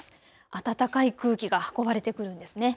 暖かい空気が運ばれてくるんですね。